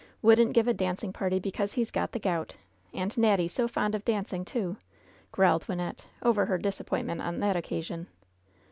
Wouldn't give a dancing party because he's got the gout f And Natty so fond of dancing, too !'' growled Wynnette, over her disappoint ment on that occasion.